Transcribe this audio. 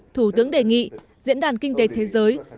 thủ tướng đề nghị diễn đàn kinh tế thế giới